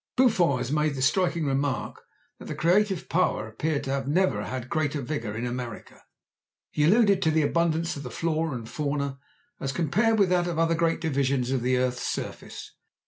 Buffon has made the striking remark that the creative power appeared to have never had great vigour in America. He alluded to the abundance of the flora and fauna as compared with that of other great divisions of the earth's surface.